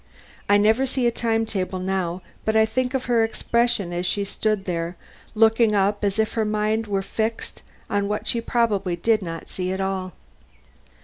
I never see a time table now but I think of her expression as she stood there looking up as if her mind were fixed on what she probably did not see at all.